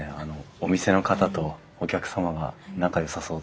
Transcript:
お店の方とお客様が仲よさそうで。